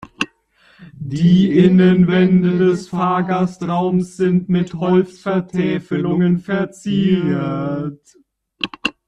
Die Innenwände des Fahrgastraums sind mit Holzvertäfelungen verziert.